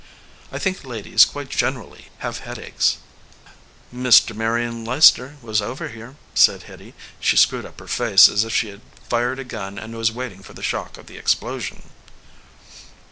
"I think ladies quite generally have head aches." "Mr. Marion Leicester was over here," said Hitty. She screwed up her face as if she had fired a gun and was waiting for the shock of the explo sion.